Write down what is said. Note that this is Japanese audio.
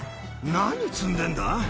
何積んでんだ？